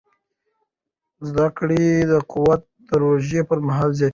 د زده کړې قوت د روژې پر مهال زیاتېږي.